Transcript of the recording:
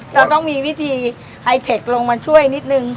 เราต้องมีวิธีไอเทคลงมาช่วยนิดนึง